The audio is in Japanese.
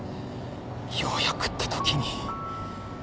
ようやくってときに。